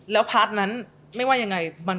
แล้วพาร์ทนั้นไม่ว่ายังไง